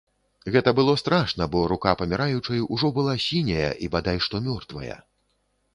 Гэта было страшна, бо рука паміраючай ужо была сіняя і бадай што мёртвая.